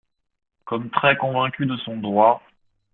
Comme très convaincu de son droit.